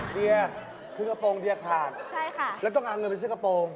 เดียคือกระโปรงเดียขาดใช่ค่ะแล้วต้องเอาเงินไปซื้อกระโปรง